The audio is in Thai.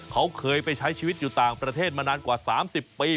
เขาเคยไปใช้ชีวิตอยู่ต่างประเทศมานานกว่า๓๐ปี